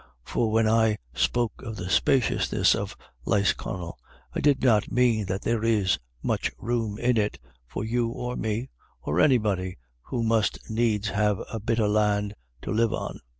For when I spoke of the spaciousness of Lisconnel I did not mean that there is much room in it for you or me, or anybody who must needs have " a bit of Ian' " to live on.